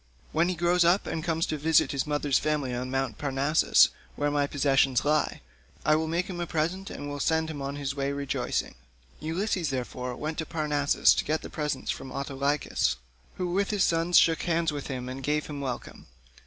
When he grows up and comes to visit his mother's family on Mt. Parnassus, where my possessions lie, I will make him a present and will send him on his way rejoicing." Ulysses, therefore, went to Parnassus to get the presents from Autolycus, who with his sons shook hands with him and gave him welcome.